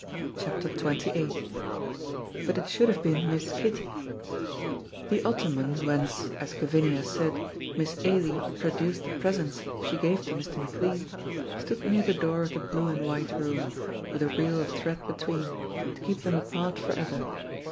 CHAPTER XXVIII BUT IT SHOULD HAVE BEEN MISS KITTY The ottoman whence, as Gavinia said, Miss Ailie produced the presents she gave to Mr. McLean, stood near the door of the blue and white room, with a reel of thread between, to keep them apart forever.